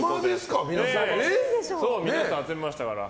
皆さん集めましたから。